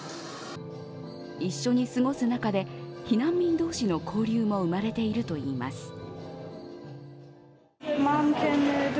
一緒に過ごす中で避難民どうしの交流も生まれているといいます。